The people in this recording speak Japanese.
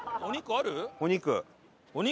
お肉。